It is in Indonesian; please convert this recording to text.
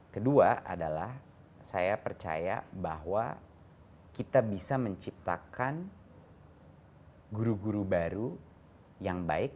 kedua adalah saya percaya bahwa kita bisa menciptakan guru guru baru yang baik